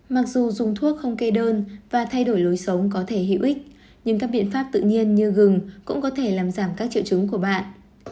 mặc dù dùng thuốc không kê đơn và thay đổi lối sống có thể hữu ích nhưng các biện pháp tự nhiên như gừng cũng có thể làm giảm các triệu chứng của bạn